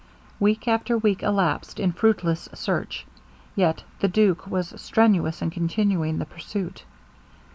Week after week elapsed in fruitless search, yet the duke was strenuous in continuing the pursuit.